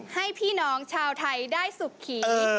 ให้พี่น้องชาวไทยได้สุขี